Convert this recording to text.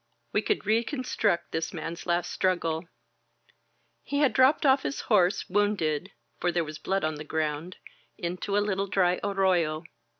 We could reconstruct this man's last struggle. He had dropped off his horse, wounded — for there was blood on the ground — ^into a little dry arroyo.